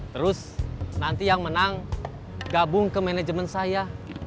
terus nanti yang menang gabung ke manajemen saya